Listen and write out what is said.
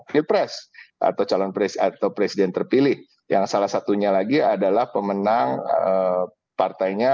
pilpres atau calon atau presiden terpilih yang salah satunya lagi adalah pemenang partainya